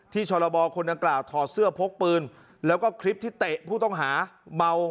ชรบคนดังกล่าวถอดเสื้อพกปืนแล้วก็คลิปที่เตะผู้ต้องหาเมา